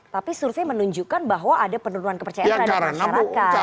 tapi survei menunjukkan bahwa ada penurunan kepercayaan terhadap masyarakat